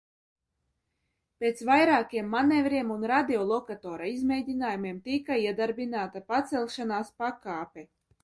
Pēc vairākiem manevriem un radiolokatora izmēģinājumiem tika iedarbināta pacelšanās pakāpe.